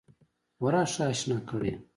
خورا ښه آشنا کړی یم.